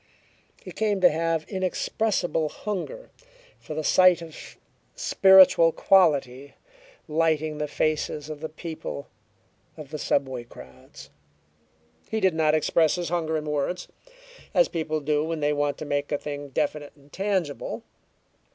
He came to have an inexpressible hunger for the sight of spiritual quality lighting the faces of the people of the subway crowds. He did not express his hunger in words, as people do when they want to make a thing definite and tangible.